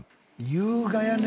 優雅やね。